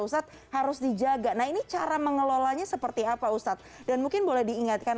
ustadz harus dijaga nah ini cara mengelolanya seperti apa ustadz dan mungkin boleh diingatkan